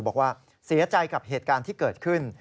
บอกว่าเสียใจกับเหตุการณ์ที่เกิดขึ้น